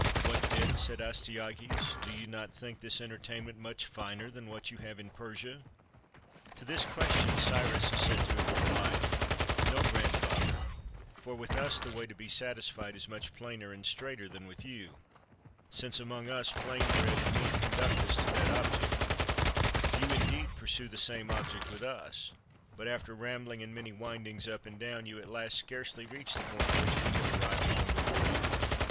"What, then," said Astyages, "do you not think this entertainment much finer than what you have in Persia?" To this question Cyrus is said to have replied: —" No, grandfather; for with us the way to be satisfied is much plainer and straighter than with you; since among us plain bread and meat conduct us to that object ; you indeed pursue the same object with us, but, after rambling in many windings up and down, you at last scarcely reach the point at which we have arrived long before you."